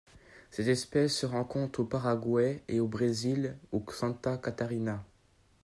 Cette espèce se rencontre au Paraguay et au Brésil au Santa Catarina.